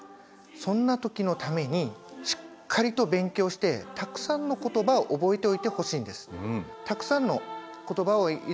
そんな時のためにしっかりと勉強してたくさんの言葉を覚えておいてほしいんです。